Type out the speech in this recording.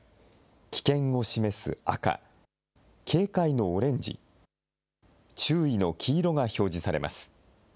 危険を示す赤、警戒のオレンジ、注意の黄色が表示されます。